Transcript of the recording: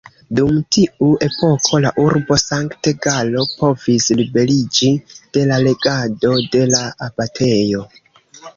Dum tiu epoko la urbo Sankt-Galo povis liberiĝi de la regado de la abatejo.